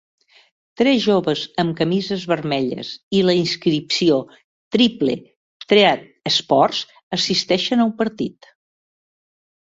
Tres joves amb camises vermelles i la inscripció Triple Threat Sports assisteixen a un partit